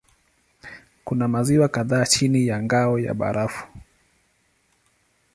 Kuna maziwa kadhaa chini ya ngao ya barafu.